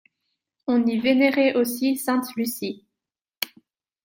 On y vénérait aussi Sainte Lucie.